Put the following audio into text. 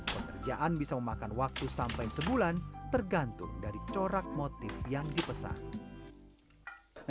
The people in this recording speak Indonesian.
pengerjaan bisa memakan waktu sampai sebulan tergantung dari corak motif yang dipesan